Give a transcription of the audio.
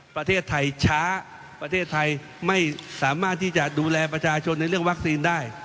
ประเทศไทยช้าประเทศไทยไม่สามารถที่จะดูแลประชาชนในเรื่องวัคซีนได้